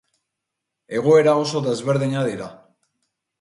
Egoera oso desberdinak dira.